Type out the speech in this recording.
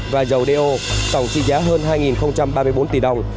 và dầu đeo tổng trị giá hơn hai ba mươi bốn tỷ đồng